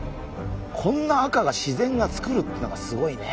こんな赤が自然がつくるってのがすごいね。